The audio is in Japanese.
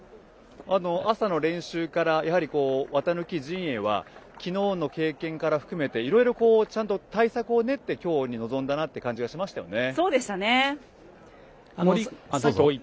朝の練習から綿貫陣営は昨日の経験から含めていろいろちゃんと対策を練って今日に臨んだなという感じがしましたね。